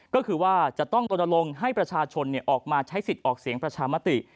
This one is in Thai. ก็คือว่าจะต้องลงให้ประชาชนออกมาใช้สิทธิ์ออกเสียงประชามติ